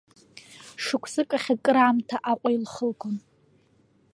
Шықәсык ахь акыр аамҭа Аҟәа илхылгон.